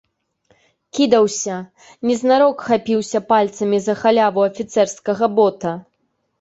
Кідаўся, незнарок хапіўся пальцамі за халяву афіцэрскага бота.